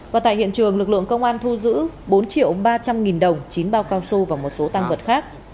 và tại hiện trường lực lượng công an thu giữ bốn triệu ba trăm linh nghìn đồng chín bao cao su và một số tăng vật khác